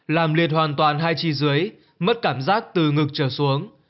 làm liệt hoàn toàn hai chi dưới mất cảm giác từ ngực trở xuống